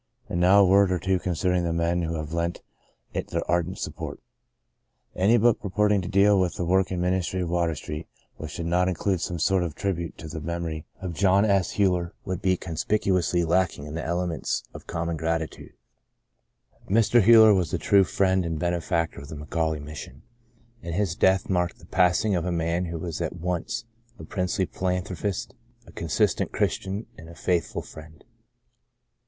And now a word or two concerning the men who have lent it their ardent support. Any book purporting to deal with the work and ministry of Water Street which did not include some sort of tribute to the memory of John S. Huyler would be con spicuously lacking in the elements of com mon gratitude, Mr. Huyler was a true friend 26 The Greatest of These and benefactor of the McAuley Mission, and his death marked the passing of a man who was at once a princely philanthropist, a con sistent Christian, and a faithful friend.